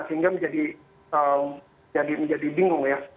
sehingga menjadi bingung ya